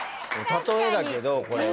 例えだけどこれは。